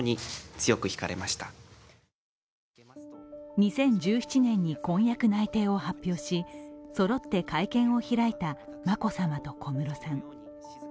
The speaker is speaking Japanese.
２０１７年に婚約内定を発表しそろって会見を開いた眞子さまと小室さん。